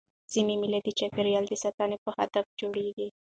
ځيني مېلې د چاپېریال د ساتني په هدف جوړېږي.